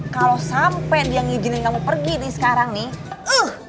kalau sampai dia ngizinin kamu pergi nih sekarang nih